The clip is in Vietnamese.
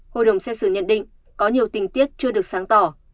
hội đồng xét xử nhận định có nhiều tình tiết chưa được sáng tỏ